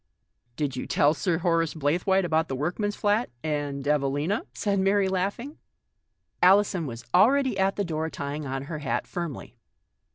"Did you tell Sir Horace Blaythewaite about the workman's flat — and Evelina?" said Mary, laughing. Alison was already at the door, trying on her hat firmly.